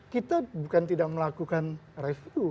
kita bukan tidak melakukan review